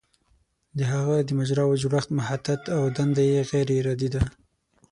د هغه د مجراوو جوړښت مخطط او دنده یې غیر ارادي ده.